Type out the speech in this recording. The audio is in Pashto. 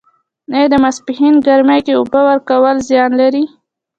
آیا د ماسپښین ګرمۍ کې اوبه ورکول زیان لري؟